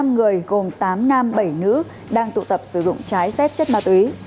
một mươi năm người gồm tám nam bảy nữ đang tụ tập sử dụng trái phép chất ma túy